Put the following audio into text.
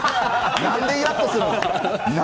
なんでいらっとするんですか。